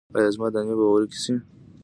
ایا زما دانې به ورکې شي؟